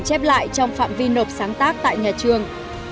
chị quỳnh chép lại trong phạm vi nộp sáng tác tại nhà trường